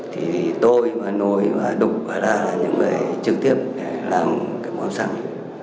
thì tôi nổi và đục ra là những người trực tiếp làm cái món xăng